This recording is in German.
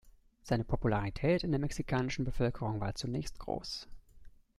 Seine Popularität in der mexikanischen Bevölkerung war zunächst groß.